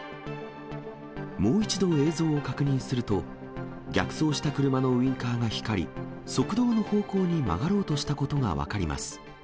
もう一度、映像を確認すると、逆走した車のウインカーが光り、側道の方向に曲がろうとしたことが分かります。